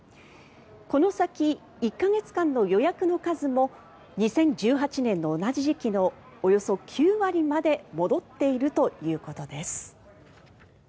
この先１か月間の予約の数も２０１８年の同じ時期のおよそ９割まで戻っているということです。